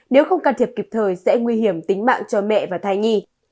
nếu không can thiệp kịp thời sẽ nguy hiểm tính mạng cho mẹ và thai nhi